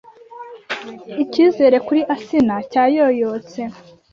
Icyizere kuri Asinah cyayoyotse